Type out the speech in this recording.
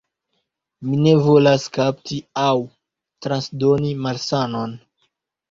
Mi ne volas kapti aŭ transdoni malsanon.